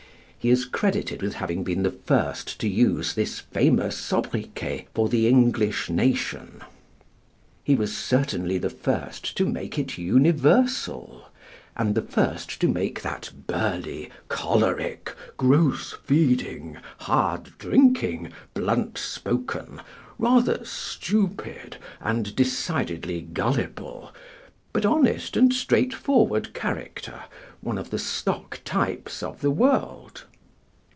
He is credited with having been the first to use this famous sobriquet for the English nation; he was certainly the first to make it universal, and the first to make that burly, choleric, gross feeding, hard drinking, blunt spoken, rather stupid and decidedly gullible, but honest and straightforward character one of the stock types of the world.